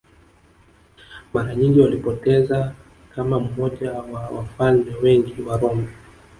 Mara nyingi walipoteza kama mmoja wa wafalme wengi wa Roma